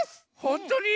ほんとに？